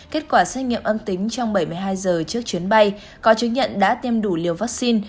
kết quả xét nghiệm âm tính trong bảy mươi hai giờ trước chuyến bay có chứng nhận đã tiêm đủ liều vaccine